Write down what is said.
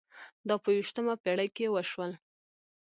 دا په یوویشتمه پېړۍ کې وشول.